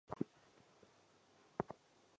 其目前为中的效力。